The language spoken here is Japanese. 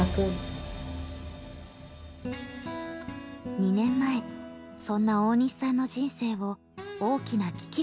２年前そんな大西さんの人生を大きな危機が襲いました。